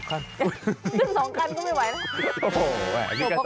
๒ขั้นก็ไม่ไหวนะ